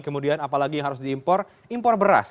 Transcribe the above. kemudian apalagi yang harus diimpor impor beras